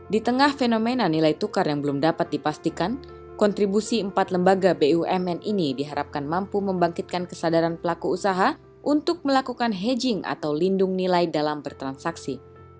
di tengah fenomena nilai tukar yang belum dapat dipastikan kontribusi empat lembaga bumn ini diharapkan mampu membangkitkan kesadaran pelaku usaha untuk melakukan hedging atau lindung nilai dalam bertransaksi